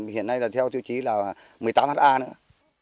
hiện nay là theo tiêu chí là một mươi tám ha nữa